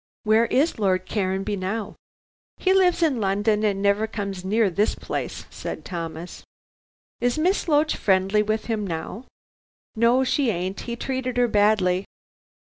"Where is Lord Caranby now?" "He lives in London and never comes near this place," said Thomas. "Is Miss Loach friendly with him now?" "No, she ain't. He treated her badly.